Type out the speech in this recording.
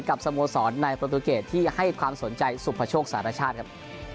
สโมสรในประตูเกตที่ให้ความสนใจสุภโชคสารชาติครับ